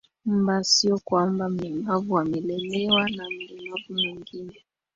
mba sio kwamba mlemavu amelelewa na mlemavu mwingine